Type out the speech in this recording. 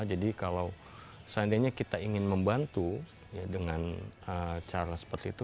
jadi kalau seandainya kita ingin membantu dengan cara seperti itu